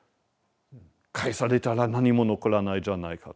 返されたら何も残らないじゃないかと。